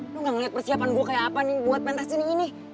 lu gak ngeliat persiapan gue kayak apa nih buat pentas ini